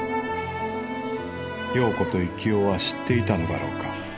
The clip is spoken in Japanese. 葉子と行男は知っていたのだろうか。